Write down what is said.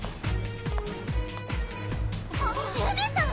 ジュネさん！